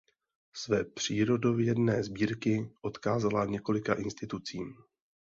Své přírodovědné sbírky odkázala několika institucím.